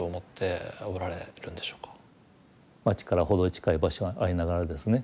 街から程近い場所にありながらですね